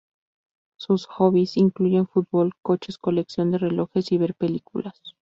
Sus "hobbies" incluyen fútbol, coches, colección de relojes y ver películas.